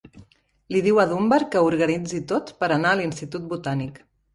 Li diu a Dunbar que ho organitzi tot per anar a l'Institut Botànic.